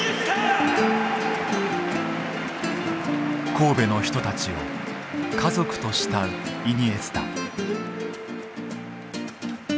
神戸の人たちを家族と慕うイニエスタ。